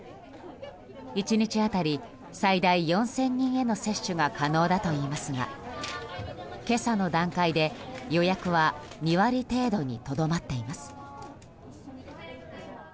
１日当たり最大４０００人への接種が可能だといいますが今朝の段階で予約は２割程度にとどまっています。